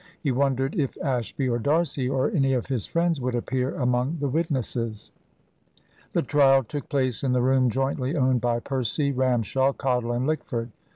He wondered if Ashby, or D'Arcy, or any of his friends would appear among the witnesses. The trial took place in the room jointly owned by Percy, Ramshaw, Cottle, and Lickford.